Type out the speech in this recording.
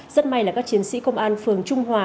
rất may là các chiến sĩ công an phường trung hòa